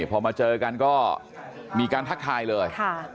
พอมาเจอกันก็มีการทักทายเลย